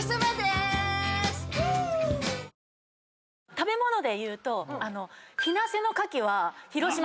食べ物でいうと。